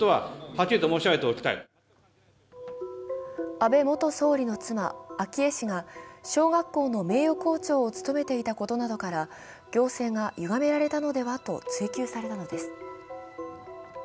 安倍元総理の妻、昭恵氏が小学校の名誉校長を務めていたことなどから行政がゆがめられたのでは、と追及されたのです。